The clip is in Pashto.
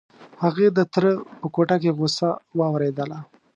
هغې د تره په کوټه کې غوسه واورېدله.